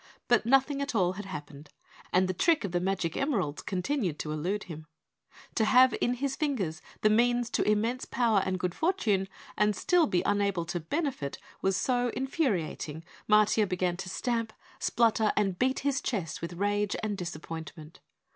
But nothing at all had happened and the trick of the magic emeralds continued to elude him. To have in his fingers the means to immense power and good fortune and still be unable to benefit was so infuriating, Matiah began to stamp, splutter, and beat his chest with rage and disappointment.